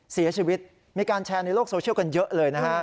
เสียชีวิตมีการแชร์ในโลกโซเชียลกันเยอะเลยนะฮะ